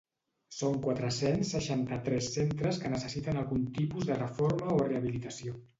Són quatre-cents seixanta-tres centres que necessiten algun tipus de reforma o rehabilitació.